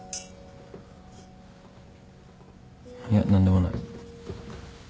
いや何でもない。